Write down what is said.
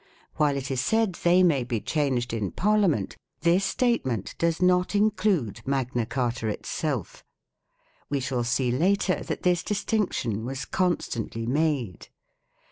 While it is said they may be changed in Parliament, this statement does not include Magna Carta itself. We shall see later that this distinction was constantly made.